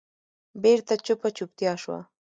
بېرته چوپه چوپتیا شوه.